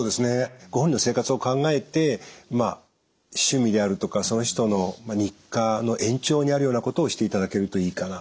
ご本人の生活を考えてまあ趣味であるとかその人の日課の延長にあるようなことをしていただけるといいかな。